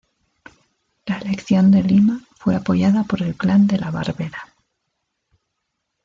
La elección de Lima fue apoyada por el clan de La Barbera.